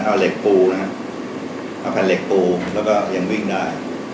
เอาเหล็กปูนะเอาแผ่นเหล็กปูแล้วก็ยังวิ่งได้